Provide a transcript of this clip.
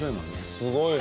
すごいね。